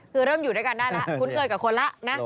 คือเริ่มอยู่ด้วยกันได้แล้วคุ้นเคยกับคนแล้วนะ